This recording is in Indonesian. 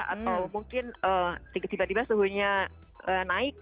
atau mungkin tiba tiba suhunya naik